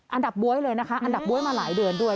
อันดับบ๊วยเลยนะคะอันดับบ๊วยมาหลายเดือนด้วย